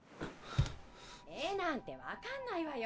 ・絵なんて分かんないわよ